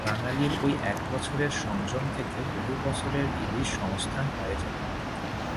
বাঙালির ওই এক বছরের সংযম থেকে বহু বছরের ইলিশ সংস্থান হয়ে যাবে।